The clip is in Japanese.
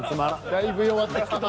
だいぶ弱ってきた。